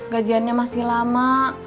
gajiannya masih lama